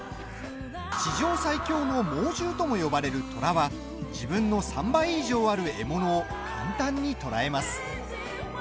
地上最強の猛獣とも呼ばれるトラは自分の３倍以上ある獲物を簡単に捕らえます。